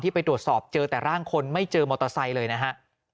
ไปตรวจสอบเจอแต่ร่างคนไม่เจอมอเตอร์ไซค์เลยนะฮะ